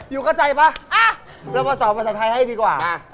อยู่เข้าใจป่ะเรามาสอนภาษาไทยให้ดีกว่า